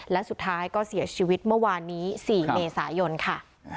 และสุดท้ายก็เสียชีวิตเมื่อวานนี้๔เมษายนค่ะ